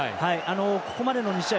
ここまでの２試合